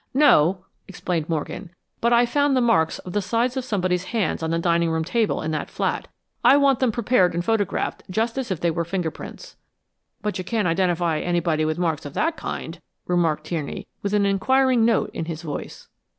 "No," explained Morgan, "but I found the marks of the sides of somebody's hands on the dining room table in that flat. I want them prepared and photographed just as if they were fingerprints." "But you can't identify anybody by marks of that kind," remarked Tierney, with an inquiring note in his voice.